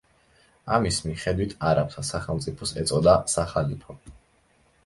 ამის მიხედვით არაბთა სახელმწიფოს ეწოდა სახალიფო.